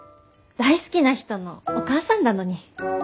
大好きな人のお母さんだのに。